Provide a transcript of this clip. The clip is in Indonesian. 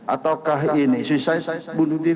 ataukah ini suicide